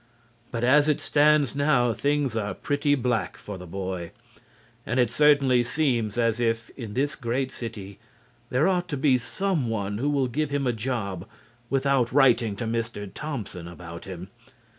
But as it stands now things are pretty black for the boy, and it certainly seems as if in this great city there ought to be some one who will give him a job without writing to Mr. Thompson about him.